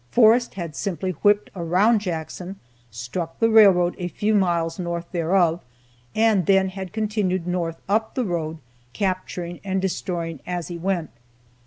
Forrest had simply whipped around Jackson, struck the railroad a few miles north thereof, and then had continued north up the road, capturing and destroying as he went.